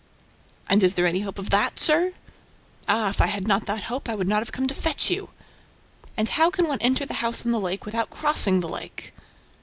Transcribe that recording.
"And is there any hope of that, sir?" "Ah, if I had not that hope, I would not have come to fetch you!" "And how can one enter the house on the lake without crossing the lake?"